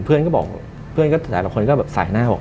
เพื่อนก็บอกแต่ละคนก็แบบใส่หน้าบอก